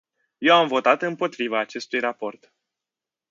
Eu am votat împotriva acestui raport.